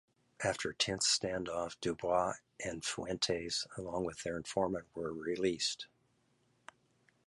After a tense standoff, DuBois and Fuentes, along with their informant, were released.